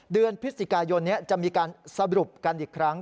เดือนพฤศจิกายนนี้จะมีการสรุปกันอีกครั้ง